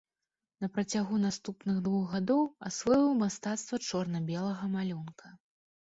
На працягу наступных двух гадоў асвойваў мастацтва чорна-белага малюнка.